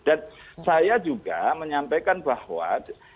dan saya juga menyampaikan bahwa